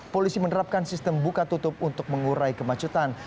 polisi menerapkan sistem buka tutup untuk mengurai kemacetan